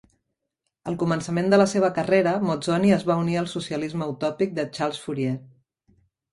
Al començament de la seva carrera, Mozzoni es va unir al socialisme utòpic de Charles Fourier.